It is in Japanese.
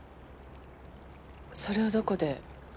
それをどこで？